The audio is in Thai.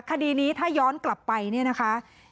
คดีนี้ถ้าย้อนกลับไปเนี่ยนะคะ